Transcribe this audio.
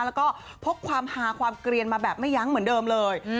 แล้วก็พกความฮาความเกลียนมาแบบไม่ยั้งเหมือนเดิมเลย